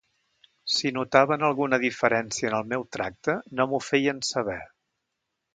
Si notaven alguna diferència en el meu tracte, no m'ho feien saber.